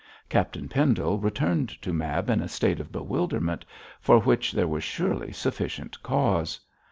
Captain Pendle returned to Mab in a state of bewilderment, for which there was surely sufficient cause.